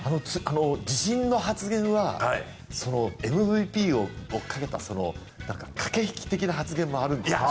自信の発言はＭＶＰをかけた駆け引き的な発言もあるんですか？